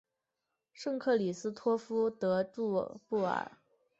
圣克里斯托夫德杜布尔。